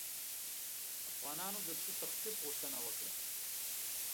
افغانانو د څه تخفیف غوښتنه وکړه.